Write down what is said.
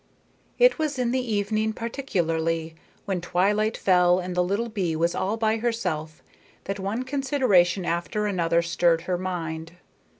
It was in the evening particularly, when twilight fell and the little bee was all by herself, that one consideration after another stirred her mind.